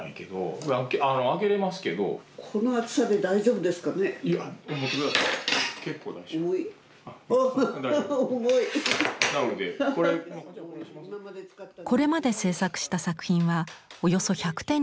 これまで制作した作品はおよそ１００点に上ります。